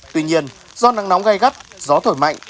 tuy nhiên do nắng nóng gai gắt gió thổi mạnh